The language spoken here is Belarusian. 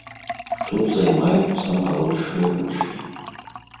Тут займаюцца малодшыя вучні.